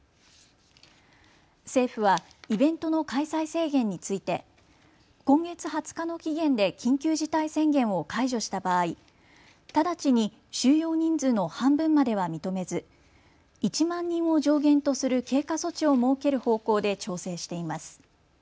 政府はイベントの開催制限について今月２０日の期限で緊急事態宣言を解除した場合、直ちに収容人数の半分までは認めず１万人を上限とする経過措置を設ける方向で調整しています。